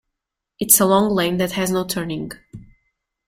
It's a long lane that has no turning.